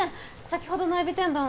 先ほどのエビ天丼